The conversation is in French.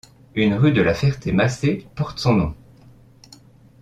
Une rue de La Ferté-Macé porte son nom.